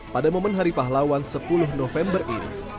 pada momen hari pahlawan sepuluh november ini